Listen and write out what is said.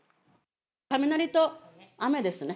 雷と雨ですね。